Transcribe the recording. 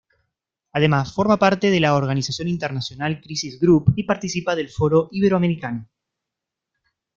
Además forma parte de la organización internacional Crisis Group y participa del Foro Iberoamericano.